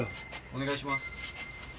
お願いします。